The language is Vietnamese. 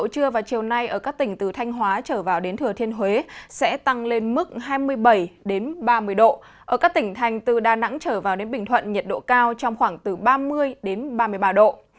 các tỉnh thành từ đà nẵng trở vào đến bình thuận nhiệt độ cao trong khoảng từ ba mươi đến ba mươi ba độ